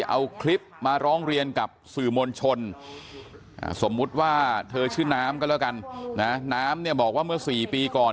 เอาคลิปมาร้องเรียนกับสื่อมวลชนสมมุติว่าเธอชื่อน้ำก็แล้วกันนะน้ำเนี่ยบอกว่าเมื่อ๔ปีก่อน